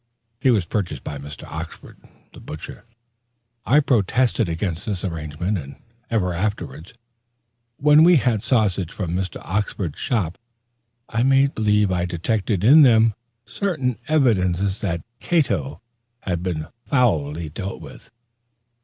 He was purchased by Mr. Oxford, the butcher. I protested against the arrangement and ever afterwards, when we had sausages from Mr. Oxford's shop, I made believe I detected in them certain evidences that Cato had been foully dealt with.